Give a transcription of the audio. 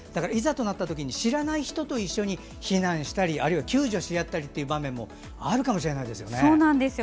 いざというときに知らない人と一緒に避難したり救助し合ったりという場合もあるかもしれないですよね。